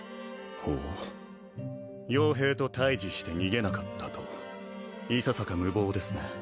ほう傭兵と対峙して逃げなかったといささか無謀ですね